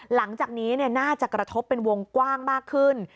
หลังจากนี้น่าจะกระทบเป็นวงกว้างมากขึ้น